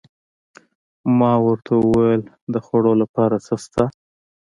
ما ورته وویل: د خوړو لپاره څه شته؟